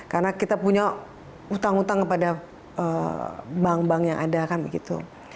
karena kita punya utang utang kepada bank bank yang ada kan begitu